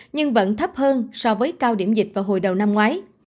nhưng vẫn thấp hơn so với cao điểm dịch vào hồi đầu năm ngoái